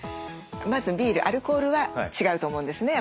まずビールアルコールは違うと思うんですね。